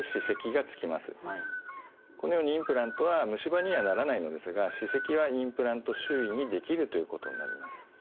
このようにインプラントは虫歯にはならないのですが歯石はインプラント周囲に出来るということになります。